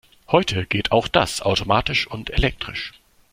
Heute geht auch das automatisch und elektrisch.